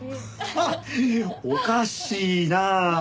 おかしいな。